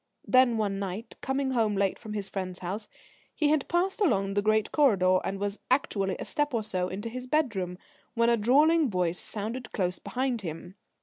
Then, one night, coming home late from his friend's house, he had passed along the great corridor, and was actually a step or so into his bedroom, when a drawling voice sounded close behind him.